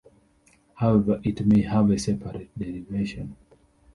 However it may have a separate derivation.